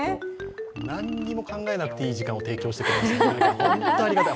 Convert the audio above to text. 何にも考えなくていい時間を提供してくれる。